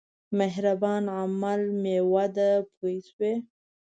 مهربان عمل مېوه ده پوه شوې!.